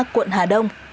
quận hà đông